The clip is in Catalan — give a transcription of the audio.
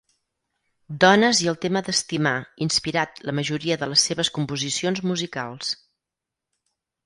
Dones i el tema d'estimar inspirat la majoria de les seves composicions musicals.